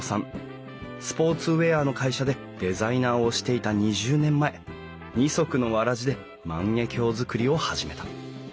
スポーツウエアの会社でデザイナーをしていた２０年前二足のわらじで万華鏡づくりを始めた。